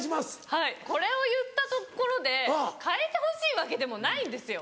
はいこれを言ったところで変えてほしいわけでもないんですよ。